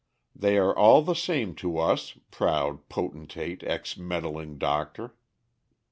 They are all the same to us, proud potentate, ex meddling doctor."